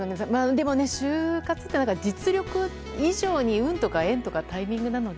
でも就活って実力以上に運とか縁とかタイミングなので。